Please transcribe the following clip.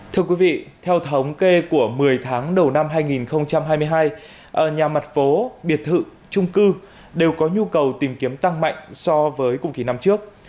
thưa quý vị theo thống kê của một mươi tháng đầu năm hai nghìn hai mươi hai nhà mặt phố biệt thự trung cư đều có nhu cầu tìm kiếm tăng mạnh so với cùng kỳ năm trước